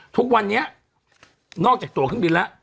ทุกวันนี้นอกจากตั๋วขึ้นบินแล้ว